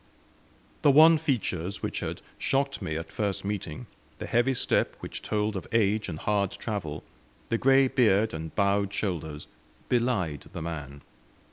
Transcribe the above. The wan features which had shocked me at first meeting, the heavy step which told of age and hard travel, the grey beard and bowed shoulders, belied the man.